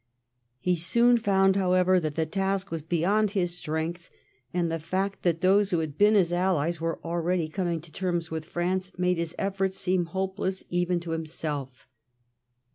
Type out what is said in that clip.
He soon found, however, that the task was beyond his strength, and the fact that those who had been his allies were already coming to terms with France made his efforts seem hopeless even to himself.